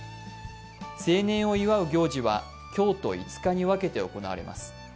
成年を祝う行事は今日と５日に分けて行われます。